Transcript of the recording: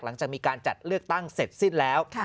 หลังจากมีการจัดเลือกตั้งเสร็จสิ้นแล้ว